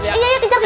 ayo kejar kejar